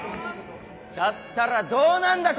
だったらどうなんだ？